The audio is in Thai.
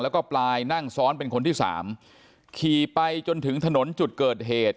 แล้วก็ปลายนั่งซ้อนเป็นคนที่สามขี่ไปจนถึงถนนจุดเกิดเหตุ